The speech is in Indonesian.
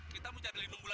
kamu sudah berdua wajib